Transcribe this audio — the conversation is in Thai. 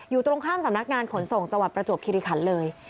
อยู่ตรงข้ามสำนักงานขนส่งจังหวัดประจวบคิริขันเลย